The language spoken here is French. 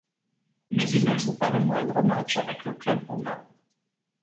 Mais il ne joue pas le moindre match avec le club roumain.